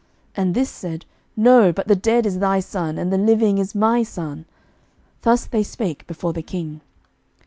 And this said, No; but the dead is thy son, and the living is my son. Thus they spake before the king.